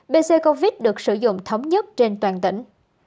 bc covid được sử dụng thống nhất trên toàn tỉnh